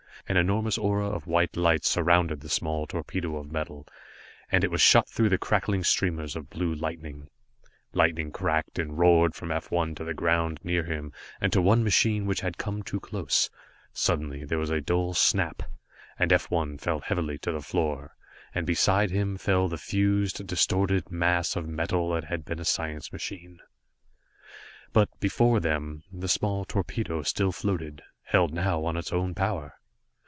An enormous aura of white light surrounded the small torpedo of metal, and it was shot through with crackling streamers of blue lightning. Lightning cracked and roared from F 1 to the ground near him, and to one machine which had come too close. Suddenly, there was a dull snap, and F 1 fell heavily to the floor, and beside him fell the fused, distorted mass of metal that had been a science machine. But before them, the small torpedo still floated, held now on its own power!